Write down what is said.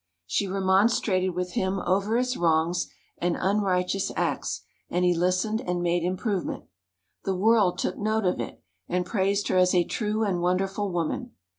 She remonstrated with him over his wrongs and unrighteous acts, and he listened and made improvement. The world took note of it, and praised her as a true and wonderful woman.